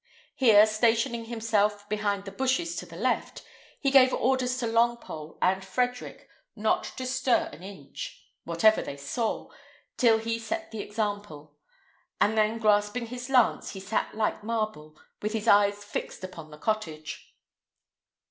Here stationing himself behind the bushes to the left, he gave orders to Longpole and Frederick not to stir an inch, whatever they saw, till he set the example; and then grasping his lance, he sat like marble, with his eyes fixed upon the cottage.